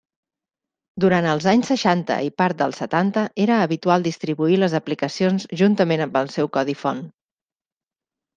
Durant els anys seixanta i part dels setanta era habitual distribuir les aplicacions juntament amb el seu codi font.